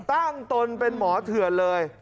ตนเป็นหมอเถื่อนเลย